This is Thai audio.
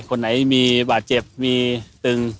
คนไหนมีบาดเจ็บมีตึง